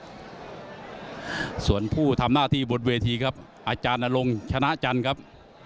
นะครับส่วนผู้ทำหน้าที่บทเวทีครับอาจารย์อรงชนะชันครับ